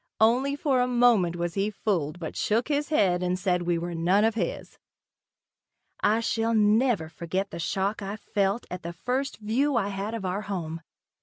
Only for a moment was he fooled but shook his head and said we were none of his. I shall never forget the shock I felt at the first view I had of our new home.